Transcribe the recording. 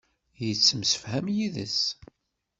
Yettemsefham yid-s.